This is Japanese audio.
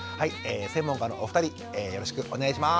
専門家のお二人よろしくお願いします。